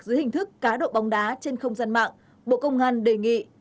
dưới hình thức cá độ bóng đá trên không gian mạng bộ công an đề nghị